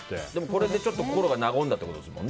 これでちょっと心が和んだってことですか？